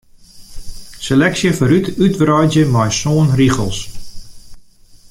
Seleksje foarút útwreidzje mei sân rigels.